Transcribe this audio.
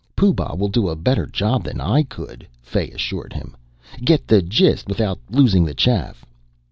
"Pooh Bah will do a better job than I could," Fay assured him. "Get the gist without losing the chaff."